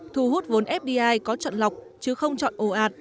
thu hút vốn fdi có chọn lọc chứ không chọn ồ ạt